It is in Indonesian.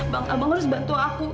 bang abang harus bantu aku